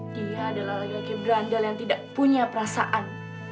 dia adalah laki laki berandal yang tidak punya perasaan